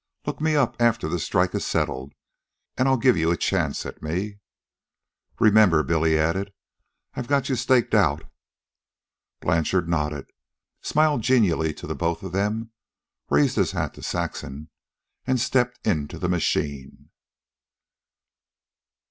Look me up after the strike is settled, and I'll give you a chance at me." "Remember," Billy added, "I got you staked out." Blanchard nodded, smiled genially to both of them, raised his hat to Saxon, and stepped into the machine.